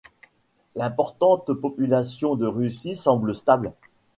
L'importante population de Russie semble stable.